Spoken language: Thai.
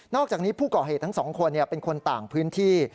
อกจากนี้ผู้ก่อเหตุทั้งสองคนเป็นคนต่างพื้นที่